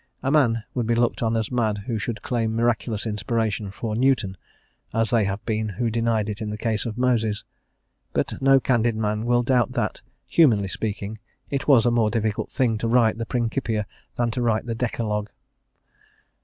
A man would be looked on as mad who should claim miraculous inspiration for Newton, as they have been who denied it in the case of Moses. But no candid man will doubt that, humanly speaking, it was a more difficult thing to write the Principia than to write the Decalogue.